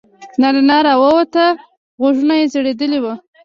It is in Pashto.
نارینه راووت غوږونه یې ځړېدلي وو.